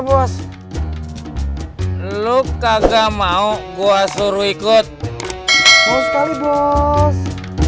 bos lu kagak mau gua suruh ikut sekali bos